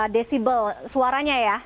desibel suaranya ya